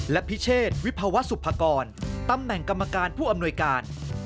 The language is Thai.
และพิเชษวิภาวะสุภากรตำแหน่งกรรมการผู้อำนวยการ